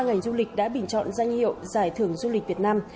ngành du lịch đã bình chọn doanh nghiệp giải thưởng du lịch việt nam